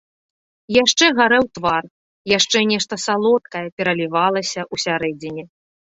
Яшчэ гарэў твар, яшчэ нешта салодкае пералівалася ўсярэдзіне.